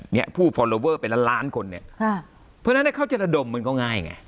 เนี่ยผู้เป็นละล้านคนเนี่ยค่ะเพราะฉะนั้นเนี่ยเขาจะระดมเหมือนเขาง่ายไง